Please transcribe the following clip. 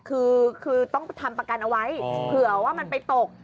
คือต้องทำประกันเอาไว้เผื่อว่ามันไปตก